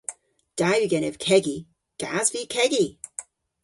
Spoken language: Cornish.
Da yw genev kegi. Gas vy kegi!